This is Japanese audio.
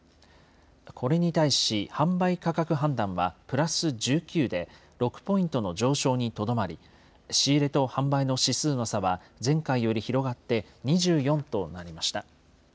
これに対し、販売価格判断はプラス１９で、６ポイントの上昇にとどまり、仕入れと販売の指数の差は前回より広がって２４となりました。